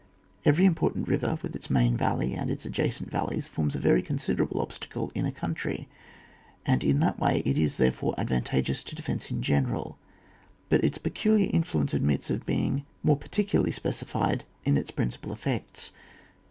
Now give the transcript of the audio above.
Every important river, with its main valley and its adjacent valleys, forms a very considerable obstacle in a country, and in that way it is, therefore, advanta geous to defence in general ; but its pecu liar influence admits of being more par* ticularly specified in its principal e£BBcts.